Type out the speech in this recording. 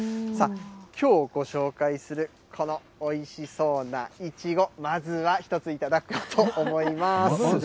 きょうご紹介するこのおいしそうなイチゴ、まずは、１つ頂こうと思います。